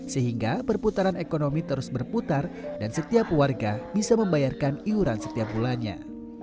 sehingga perputaran ekonomi terus berputar dan setiap warga bisa membayarkan iuran setiap bulannya